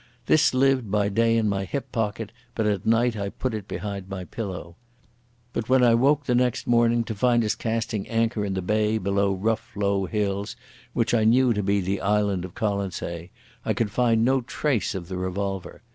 This lived by day in my hip pocket, but at night I put it behind my pillow. But when I woke next morning to find us casting anchor in the bay below rough low hills, which I knew to be the island of Colonsay, I could find no trace of the revolver.